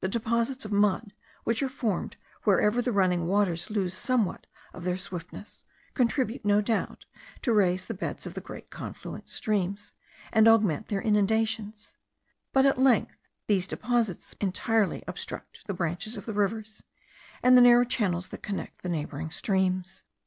The deposits of mud, which are formed wherever the running waters lose somewhat of their swiftness, contribute, no doubt, to raise the beds of the great confluent streams, and augment their inundations; but at length these deposits entirely obstruct the branches of the rivers and the narrow channels that connect the neighbouring streams.